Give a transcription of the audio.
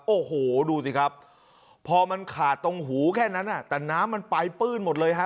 โอ้โหดูสิครับพอมันขาดตรงหูแค่นั้นแต่น้ำมันไปปื้นหมดเลยฮะ